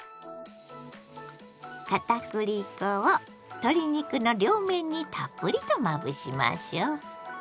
片栗粉を鶏肉の両面にたっぷりとまぶしましょ！